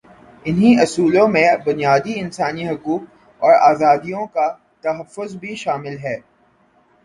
انہی اصولوں میں بنیادی انسانی حقوق اور آزادیوں کا تحفظ بھی شامل ہے۔